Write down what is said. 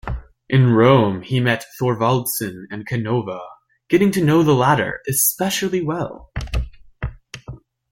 In Rome he met Thorvaldsen and Canova, getting to know the latter especially well.